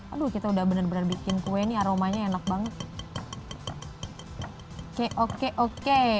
aduh kita udah bener bener bikin kue ini aromanya enak banget oke oke oke oke karena kalau udah jadi adonannya gorengnya sih cepet yang penting adonannya cepet ya